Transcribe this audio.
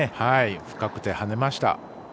深くて跳ねました。